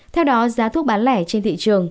theo đó giá thuốc bán lẻ trên thị trường